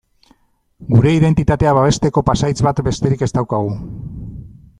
Gure identitatea babesteko pasahitz bat besterik ez daukagu.